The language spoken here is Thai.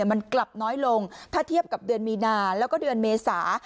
มันกลับน้อยลงถ้าเทียบกับเดือนมีนาแล้วก็เดือนเมษา